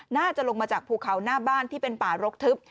น่าจะลงมาจากภูเขาหน้าบ้านที่เป็นป่ารกทึบ